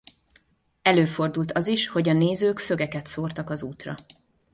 Előfordult az is hogy a nézők szögeket szórtak az útra.